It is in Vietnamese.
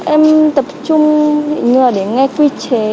em tập trung như là để nghe quy chế